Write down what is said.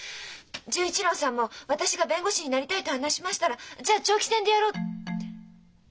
純一郎さんも私が「弁護士になりたい」と話しましたら「じゃあ長期戦でやろう」って。